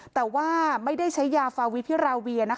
แต่ว่าไม่ได้ใช้ยาฟาวิพิราเวีย